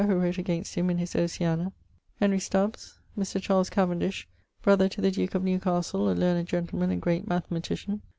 who wrote against him in his Oceana. Henry Stubbes. Mr. Charles Cavendish, brother to the duke of Newcastle, a learned gentleman and great mathematician.